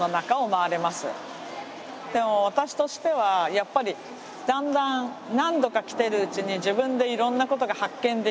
私としてはやっぱりだんだん何度か来てるうちに自分でいろんなことが発見できる。